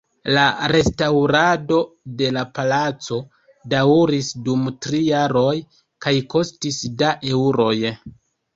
La restaŭrado de la palaco daŭris dum tri jaroj kaj kostis da eŭroj.